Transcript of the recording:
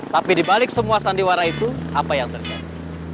tapi dibalik semua sandiwara itu apa yang terjadi